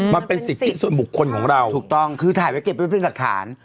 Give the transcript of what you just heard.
มันเป็นสิทธิส่วนบุคคลของเราถูกต้องคือถ่ายไว้เก็บไว้เป็นหลักฐาน